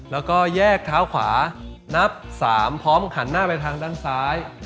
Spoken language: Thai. แล้วก็แยกเท้าขวานับ๓พร้อมหันหน้าไปทางด้านซ้าย